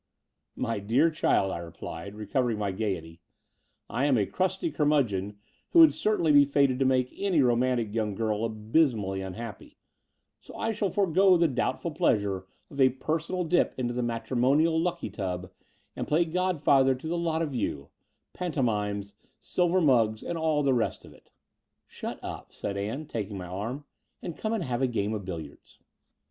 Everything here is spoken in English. "My dear child," I replied, recovering my gaiety, I am a crusty curmudgeon who would certainly be fated to make any romantic young girl abysmally tmhappy: so I shall forgo the doubtful pleasure of a personal dip into the matrimonial lucky tub and play godfather to the lot of you — pantomimes, silver mugs, and all the rest of it." "Shut up," said Ann, taking my arm, "and come and have a game of billiards."